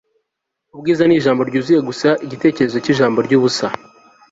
Ubwiza nijambo ryuzuye gusa igitekerezo cyijambo ryubusa